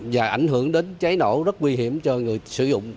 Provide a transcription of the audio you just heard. và ảnh hưởng đến cháy nổ rất nguy hiểm cho người sử dụng